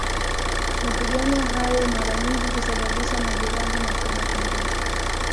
Mapigano hayo mara nyingi husababisha majeraha, makubwa pengine.